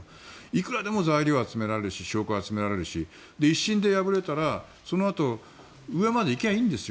いくらでも材料、証拠を集められるし１審で敗れたらそのあと上まで行けばいいんです。